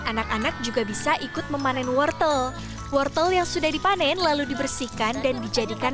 anak anak juga bisa ikut memanen wortel wortel yang sudah dipanen lalu dibersihkan dan dijadikan